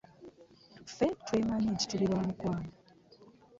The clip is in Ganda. Ffe twemanyi nti tuli bamukwano.